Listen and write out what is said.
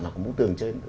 nó có mũ tường trên